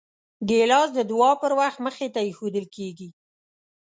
ګیلاس د دعاو پر وخت مخې ته ایښودل کېږي.